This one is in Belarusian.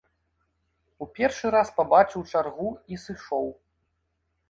У першы раз пабачыў чаргу і сышоў.